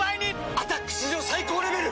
「アタック」史上最高レベル！